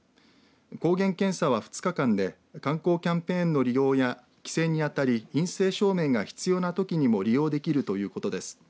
抗原検査は２日間で観光キャンペーンの利用や帰省にあたり陰性証明が必要なときにも利用できるということです。